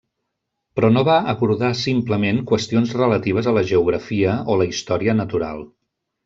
Però no va abordar simplement qüestions relatives a la geografia o la història natural.